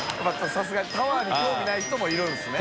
さすがにタワーに興味ない人もいるんですね。